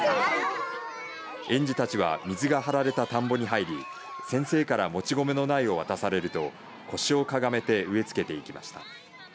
園児たちは水が張られた田んぼに入り先生からもち米の苗を渡されると腰をかがめて植え付けていきました。